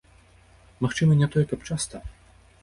Магчыма, не тое каб часта.